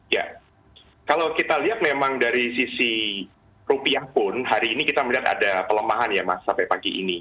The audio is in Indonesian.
ya kalau kita lihat memang dari sisi rupiah pun hari ini kita melihat ada pelemahan ya mas sampai pagi ini